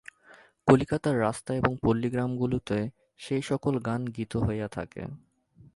কলিকাতার রাস্তায় এবং পল্লীগ্রামগুলিতে সেই-সকল গান গীত হইয়া থাকে।